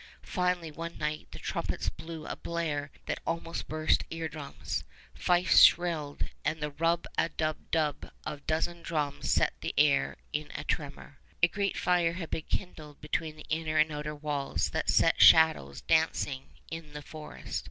Finally, one night, the trumpets blew a blare that almost burst eardrums. Fifes shrilled, and the rub a dub dub of a dozen drums set the air in a tremor. A great fire had been kindled between the inner and outer walls that set shadows dancing in the forest.